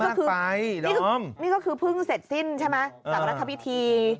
จักระครพิธี